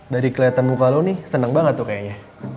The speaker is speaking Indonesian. dari kelihatan muka lu nih senang banget tuh kayaknya